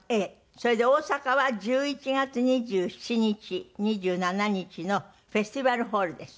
それで大阪は１１月２７日２７日のフェスティバルホールです。